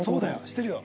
してるよ！